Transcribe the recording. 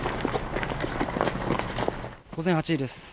午前８時です。